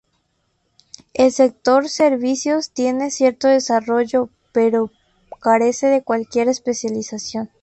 El sector servicios tiene cierto desarrollo pero carece de cualquier especialización.